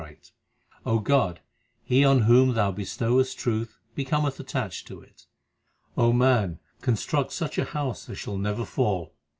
302 THE SIKH RELIGION O God, he on whom Thou bestowest truth becometh attached to it. O man, construct such a house as shall never fall.